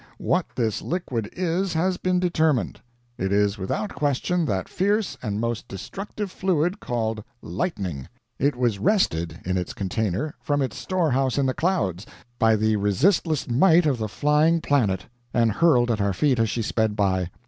What this liquid is has been determined. It is without question that fierce and most destructive fluid called lightning. It was wrested, in its container, from its storehouse in the clouds, by the resistless might of the flying planet, and hurled at our feet as she sped by.